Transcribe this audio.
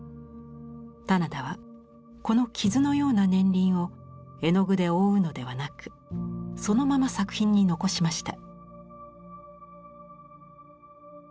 棚田はこの傷のような年輪を絵の具で覆うのではなくそのまま作品に残しました。